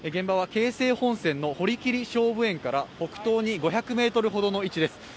現場は京成本線の堀切菖蒲園から北東に５００ｍほどの位置です。